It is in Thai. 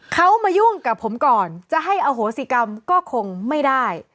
เขามายุ่งกับผมก่อนจะให้อโหสิกรรมก็คงไม่ได้